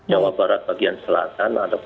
jawa barat bagian selatan